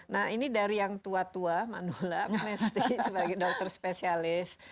nah ini dari yang tua tua manula mest sebagai dokter spesialis